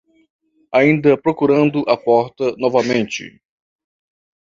Ainda procurando a porta novamente